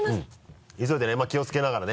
急いでね気をつけながらね。